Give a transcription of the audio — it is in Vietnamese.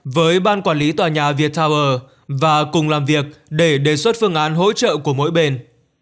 với ban quản lý tòa nhà viettel và cùng làm việc để đề xuất phương án hỗ trợ của mỗi bên